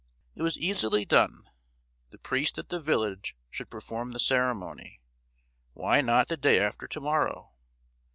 It was easily done: the priest at the village should perform the ceremony; why not the day after to morrow?